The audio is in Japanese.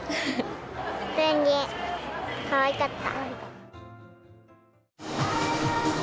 ペンギン、かわいかった。